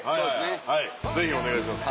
はいぜひお願いします。